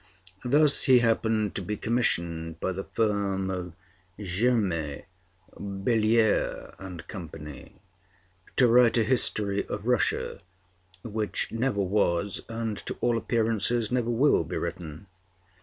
Thus he happened to be commissioned by the firm of Germer, Baillière and Company to write a history of Russia, which never was and to all appearances never will be written.